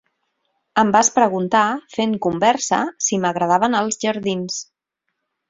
Em vas preguntar, fent conversa, si m'agradaven els jardins